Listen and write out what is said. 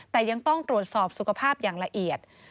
แต่ยังต้องตรวจสอบสุขภาพอย่างละเอียด